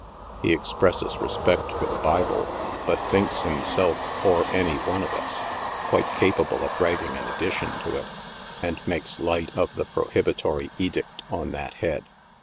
He expresses respect for the Bible, but thinks himself, or any of us, quite capable of writing an addition to it, and makes light of' the prohibitory edict on that head.